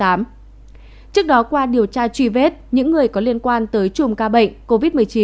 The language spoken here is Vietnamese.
trước đó qua điều tra truy vết những người có liên quan tới chùm ca bệnh covid một mươi chín